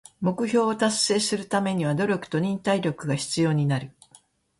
目標を達成するためには努力と忍耐力が必要になる。